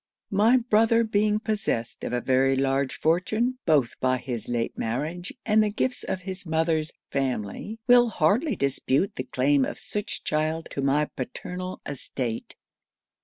My brother being possessed of a very large fortune, both by his late marriage and the gifts of his mother's family, will hardly dispute the claim of such child to my paternal estate.